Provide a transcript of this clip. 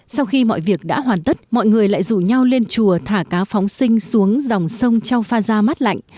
sau khi mọi việc đã hoàn tất mọi người lại rủ nhau lên chùa thả cá phóng sinh xuống dòng sông châu pha gia mát lạnh